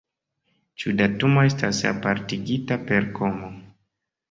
Ĉiu datumo estas apartigita per komo.